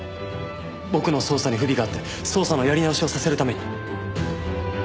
僕の捜査に不備があって捜査のやり直しをさせるために。